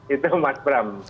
itu mas ram